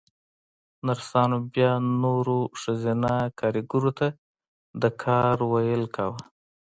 نرسانو بيا نورو ښځينه کاريګرو ته د کار ويل کاوه.